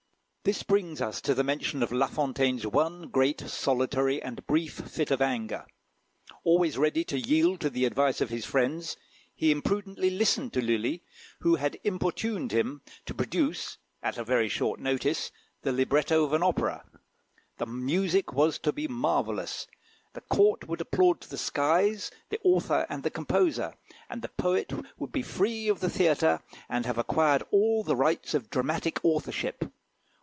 This brings us to the mention of La Fontaine's one great, solitary, and brief fit of anger. Always ready to yield to the advice of his friends, he imprudently listened to Lulli, who had importuned him to produce, at a very short notice, the libretto of an opera. The music was to be marvellous, the Court would applaud to the skies the author and the composer, and the poet would be free of the theatre, and have acquired all the rights of dramatic authorship.